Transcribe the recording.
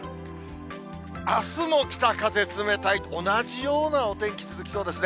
あすも北風冷たい、同じようなお天気、続きそうですね。